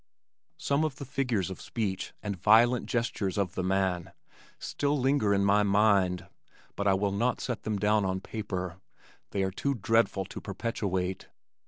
Some of the figures of speech and violent gestures of the man still linger in my mind, but I will not set them down on paper. They are too dreadful to perpetuate.